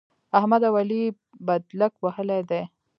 احمد او علي بدلک وهلی دی.